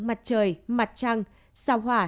mặt trời mặt trăng sao hỏa